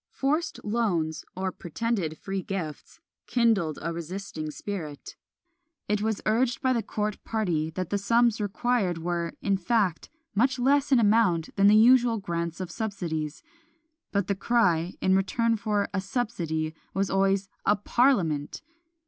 Forced loans, or pretended free gifts, kindled a resisting spirit. It was urged by the court party, that the sums required were, in fact, much less in amount than the usual grants of subsidies; but the cry, in return for "a subsidy," was always "a Parliament!"